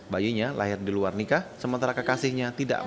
bayinya lahir di luar nikah sementara kekasihnya tidak